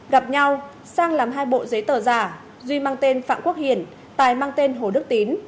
gặp nhau sang làm hai bộ giấy tờ giả duy mang tên phạm quốc hiền tài mang tên hồ đức tín